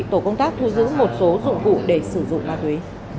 tổ công tác thu giữ một số dụng cụ để sử dụng ma túy